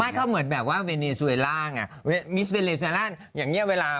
ไม่เขาเหมือนแบบว่าเวเนสเวลาไงมิสเวเนสเวลา